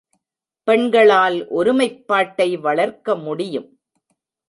பெண்களால் ஒருமைப்பாட்டை வளர்க்க முடியும்.